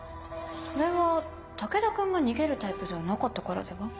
それは武田君が逃げるタイプではなかったからでは？